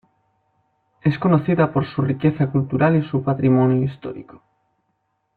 Es conocida por su riqueza cultural y su patrimonio histórico.